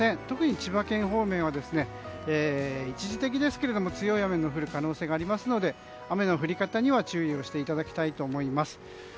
特に千葉県方面は、一時的ですが強い雨の降る可能性がありますので雨の降り方には注意していただきたいと思います。